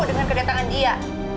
dengan kedatangan dia